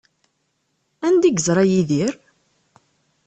Anda ay yeẓra Yidir?